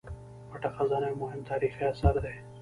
پټه خزانه یو مهم تاریخي اثر دی.